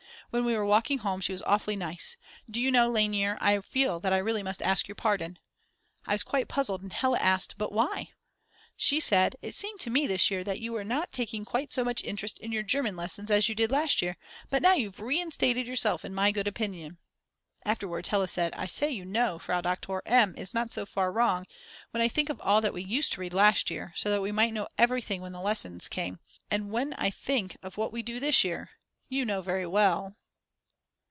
When we were walking home she was awfully nice: "Do you know, Lainer, I feel that I really must ask your pardon." I was quite puzzled and Hella asked: But why? She said: "It seemed to me this year that you were not taking quite so much interest in your German lessons as you did last year; but now you've reinstated yourself in my good opinion." Afterwards Hella said: I say you know, Frau Doktor M. is not so far wrong when I think of all that we used to read last year so that we might know everything when the lesson came, and when I think of what we do this year!!! You know very well